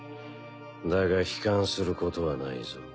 だが悲観することはないぞ。